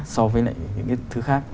so với lại những cái thứ khác